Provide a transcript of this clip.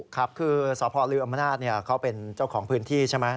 ครับคือสพลืออำนาจเขาเป็นเจ้าของพื้นที่ใช่ไหม